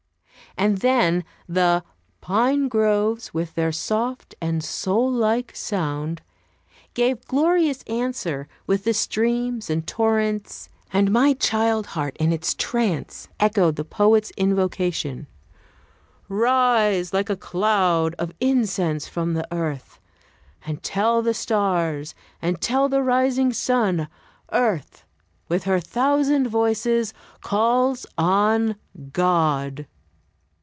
And then the "Pine groves with their soft and soul like sound" gave glorious answer, with the streams and torrents, and my child heart in its trance echoed the poet's invocation, "Rise, like a cloud of incense from the earth! And tell the stars, and tell the rising sun, Earth, with her thousand voices, calls on GOD!"